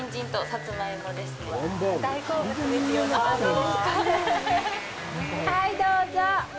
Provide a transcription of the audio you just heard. はい、どうぞ。